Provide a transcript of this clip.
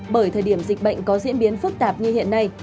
bởi thời điểm dịch bệnh có diễn biến phức tạp như hiện nay